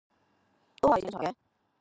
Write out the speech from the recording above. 都正常嘅